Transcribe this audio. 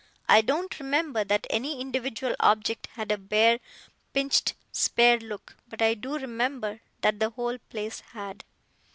I don't remember that any individual object had a bare, pinched, spare look; but I do remember that the whole place had.